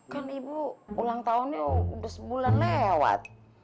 kan ibu ulang tahunnya udah sebulan lewat